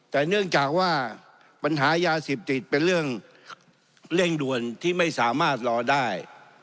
แต่เนื่องจากว่าปัญหายาเสพติดเป็นเรื่องเร่งด่วนที่ไม่สามารถรอได้